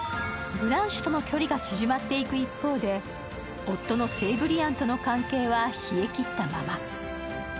ブランシュとの距離が縮まっていく一方で、夫のセイブリアンとの関係は冷えきったまま。